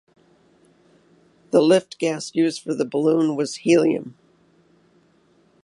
The lift gas used for the balloon was helium.